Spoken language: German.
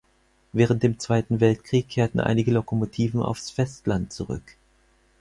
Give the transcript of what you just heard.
Während dem Zweiten Weltkrieg kehrten einige Lokomotiven aufs Festland zurück.